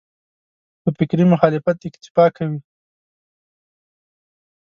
په فکري مخالفت اکتفا کوي.